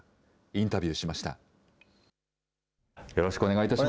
インタビューしました。